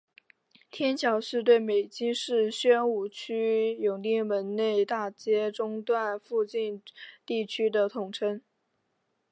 天桥是对北京市宣武区永定门内大街中段附近地区的统称。